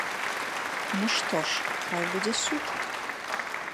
Ну што ж, хай будзе суд.